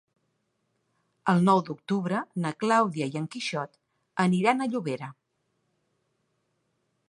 El nou d'octubre na Clàudia i en Quixot aniran a Llobera.